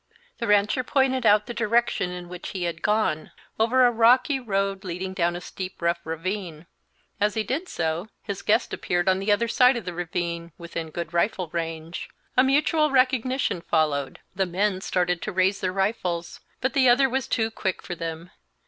The rancher pointed out the direction in which he had gone, over a rocky road leading down a steep, rough ravine; as he did so, his guest appeared on the other side of the ravine, within good rifle range. A mutual recognition followed; the men started to raise their rifles, but the other was too quick for them.